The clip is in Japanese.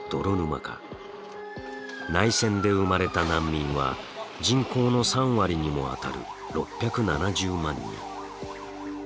内戦で生まれた難民は人口の３割にもあたる６７０万人。